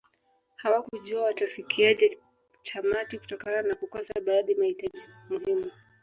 Hawakujua watafikiaje tamati kutokana na kukosa baadhi mahitaji muhimu